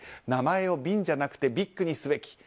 名前をビンじゃなくてビッグにすべき。